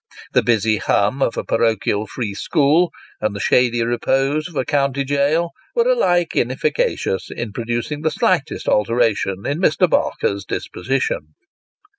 The busy hum of a parochial free school, and the shady repose of a county jail, were alike inefficacious in producing the slightest alteration in Mr. Barker's disposition.